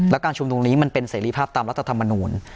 และการชุมนุมนี้มันเป็นเสรีภาพตามรัฐธรรมนูล